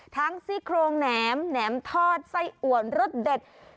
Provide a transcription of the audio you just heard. ซี่โครงแหนมแหนมทอดไส้อวนรสเด็ด